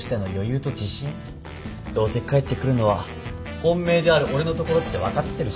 どうせ帰ってくるのは本命である俺のところって分かってるし？